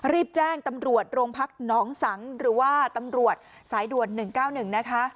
รีบแจ้งตำรวจโรงพักหนองสังหรือว่าตำรวจสายด่วน๑๙๑นะคะ